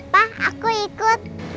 pak aku ikut